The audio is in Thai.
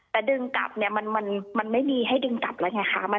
แต่ดึงกลับเนี่ยมันไม่มีให้ดึงกลับแล้วไงคะ